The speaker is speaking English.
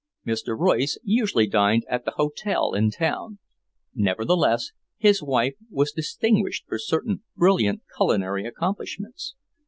Mr. Royce usually dined at the hotel in town. Nevertheless, his wife was distinguished for certain brilliant culinary accomplishments.